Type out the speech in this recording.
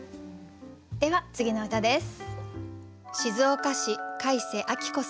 では次の歌です。